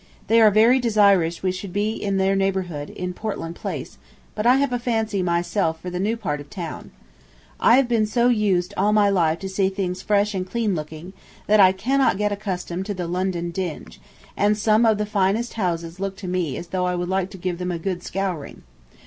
They are very desirous we should be in their neighborhood, in Portland Place, but I have a fancy myself for the new part of town. I have been so used all my life to see things fresh and clean looking, that I cannot get accustomed to the London dinge, and some of the finest houses look to me as though I would like to give them a good scouring.